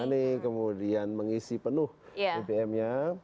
e money kemudian mengisi penuh epm nya